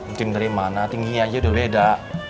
mungkin dari mana tingginya aja udah beda